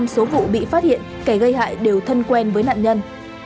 chín mươi bảy số vụ bị phát hiện kẻ gây hại đều thân quen với nạn nhân